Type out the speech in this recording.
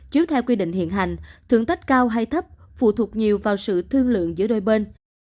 chứ theo quy định hiện hành thưởng tết cao hay thấp phụ thuộc nhiều vào sự thương lượng giữa đôi bên